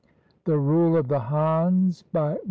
THE RULE OF THE HANS BY REV.